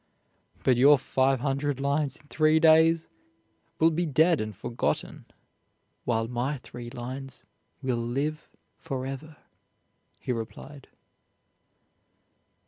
"But your five hundred lines in three days will be dead and forgotten, while my three lines will live forever," he replied.